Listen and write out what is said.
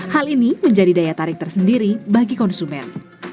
hal ini menjadi daya tarik tersendiri bagi konsumen